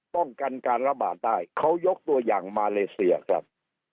ป้องกันการระบาดได้เขายกตัวอย่างมาเลเซียครับ